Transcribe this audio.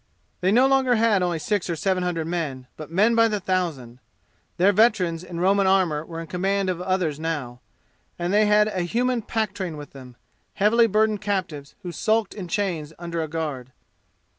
They no longer had only six or seven hundred men, but men by the thousand. Their veterans in Roman armor were in command of others now, and they had a human pack train with them, heavily burdened captives who sulked in chains under a guard.